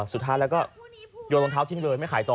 สุดท้ายแล้วก็โยนรองเท้าทิ้งเลยไม่ขายต่อ